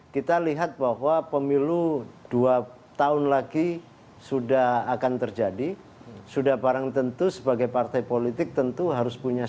kita lihat bahwa pemilu dua tahun lagi sudah akan terjadi sudah barang tentu sebagai partai politik tentu harus punya sikap